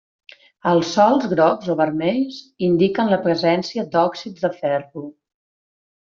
Els sòls grocs o vermells indiquen la presència d'òxids de ferro.